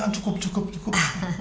cukup cukup cukup